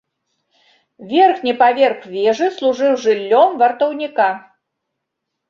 Верхні паверх вежы служыў жыллём вартаўніка.